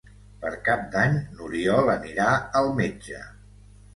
Per Cap d'Any n'Oriol anirà al metge.